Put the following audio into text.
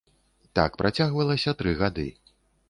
Так працягвалася тры гады.